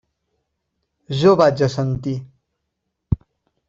Jo vaig assentir.